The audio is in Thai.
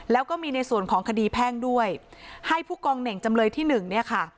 แล้วก็มีในส่วนของคดีแพ่งด้วยให้ผู้กองเหน่งจำเลยที่หนึ่งเนี่ยค่ะ